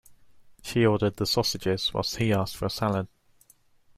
She ordered the sausages while he asked for a salad.